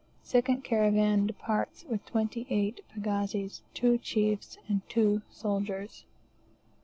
Second caravan departs with twenty eight pagazis, two chiefs, and two soldiers.